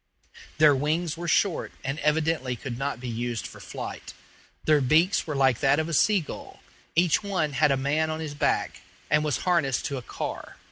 Their wings were short, and evidently could not be used for flight; their beaks were like that of a sea gull; each one had a man on his back, and was harnessed to a car.